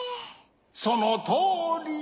そのとおり！